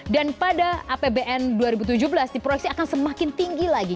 dan pada apbn dua ribu tujuh belas diproyeksi akan semakin tinggi lagi